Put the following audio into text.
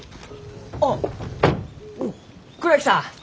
あっ倉木さん！